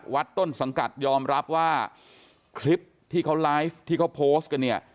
วัดต้นสังกัดยอมรับว่าคลิปที่เขาไลฟ์ที่เขาโพสต์กันเนี่ย